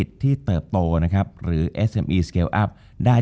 จบการโรงแรมจบการโรงแรม